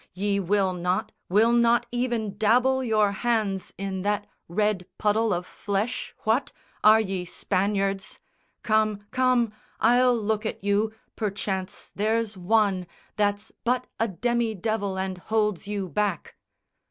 Ye will not, will not even dabble your hands In that red puddle of flesh, what? Are ye Spaniards? Come, come, I'll look at you, perchance there's one That's but a demi devil and holds you back."